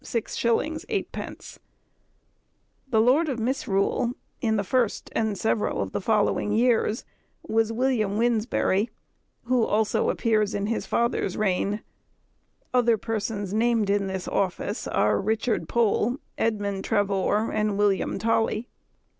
_ 8_d._ The lord of Misrule, in the first and several of the following years, was William Wynnesberry, who also appears in his father's reign: other persons named in this office are, Richard Pole, Edmund Travore, and William Tolly.